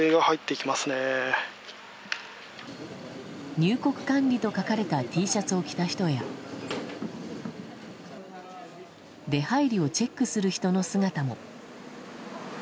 「入国管理」と書かれたＴシャツを着た人や出入りをチェックする人の姿も。